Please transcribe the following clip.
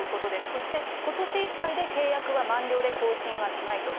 そして、ことしいっぱいで契約は満了で更新はしないと。